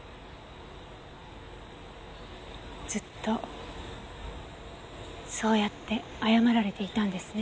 ずっとそうやって謝られていたんですね。